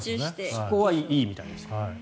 そこはいいみたいです。